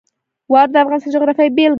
واوره د افغانستان د جغرافیې بېلګه ده.